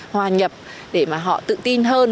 hòa nhập để mà họ tự tin hơn